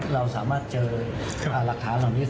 เราสามารถเจอลักษณะออกมันจากนี้